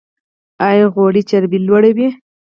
ایا غوړي چربي لوړوي؟